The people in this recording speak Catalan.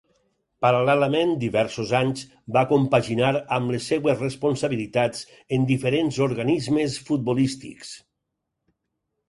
Paral·lelament diversos anys va compaginar amb les seves responsabilitats en diferents organismes futbolístics.